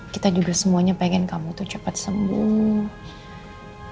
kita juga semuanya pengen kamu tuh cepat sembuh